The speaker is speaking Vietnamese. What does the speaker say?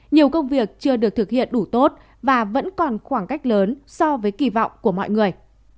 nhiều công việc chưa được thực hiện đủ tốt và vẫn còn khoảng cách lớn so với kỳ vọng của mọi người